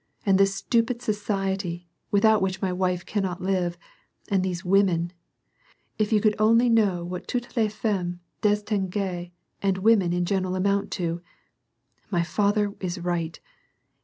And this stupid society, without which my wife cannot live, and these women. — If you could only know what tmites les femmes dis tingiiees and women in general amount to ! My father is right.